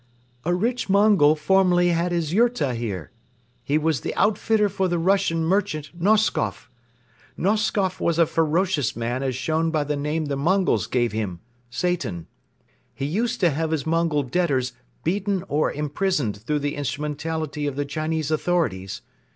"A rich Mongol formerly had his yurta here. He was the outfitter for the Russian merchant, Noskoff. Noskoff was a ferocious man as shown by the name the Mongols gave him 'Satan.' He used to have his Mongol debtors beaten or imprisoned through the instrumentality of the Chinese authorities.